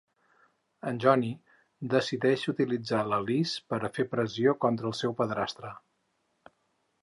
En Johnny decideix utilitzar la Liz per a fer pressió contra el seu padrastre.